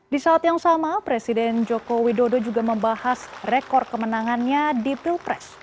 di saat yang sama presiden joko widodo juga membahas rekor kemenangannya di pilpres